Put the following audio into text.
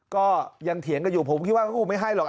ก็ยังเถียงกันอยู่ผมคิดว่าเขาคงไม่ให้หรอก